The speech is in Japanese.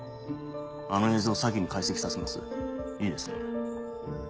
あの映像を咲に解析させますいいですね？